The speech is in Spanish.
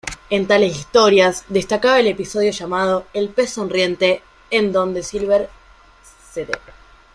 En tales historias destacaba el episodio llamado "El pez sonriente" en donde Silver St.